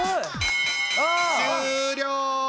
終了！